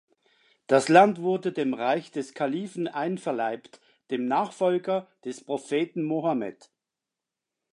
Das Land wurde dem Reich des Kalifen einverleibt, dem Nachfolger des Propheten Mohammed.